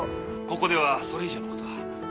ここではそれ以上の事は。